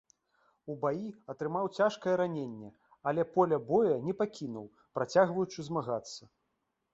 У баі атрымаў цяжкае раненне, але поля бою не пакінуў, працягваючы змагацца.